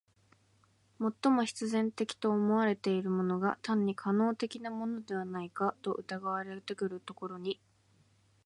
最も必然的と思われているものが単に可能的なものではないかと疑われてくるところに、